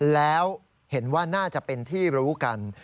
แล้วเห็นว่าน่าจะเป็นที่รู้กัน